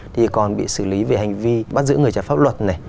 thì còn bị xử lý về hành vi bắt giữ người trái pháp luật này